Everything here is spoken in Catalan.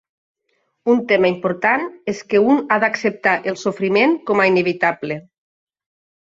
Un tema important és que un ha d'acceptar el sofriment com a inevitable.